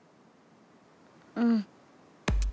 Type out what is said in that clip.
うん。